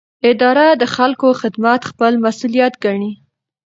اداره د خلکو خدمت خپل مسوولیت ګڼي.